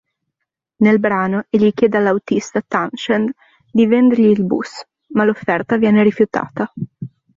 Nel brano egli chiede all'autista, Townshend, di vendergli il bus, ma l'offerta viene rifiutata.